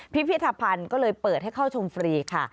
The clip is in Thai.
พิพิธภัณฑ์ก็เลยเปิดให้เข้าชมฟรีค่ะ